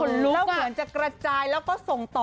เหมือนจะกระจายแล้วก็ส่งต่อ